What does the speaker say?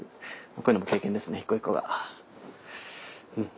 こういうのも経験ですね一個一個が。